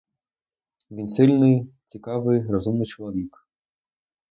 Він сильний, цікавий, розумний чоловік.